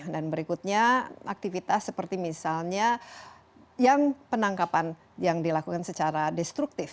dan berikutnya aktivitas seperti misalnya yang penangkapan yang dilakukan secara destruktif